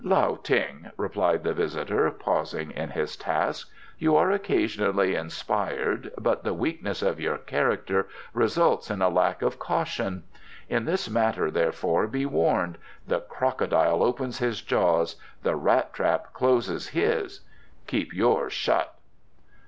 "Lao Ting," replied the visitor, pausing in his task, "you are occasionally inspired, but the weakness of your character results in a lack of caution. In this matter, therefore, be warned: 'The crocodile opens his jaws; the rat trap closes his; keep yours shut.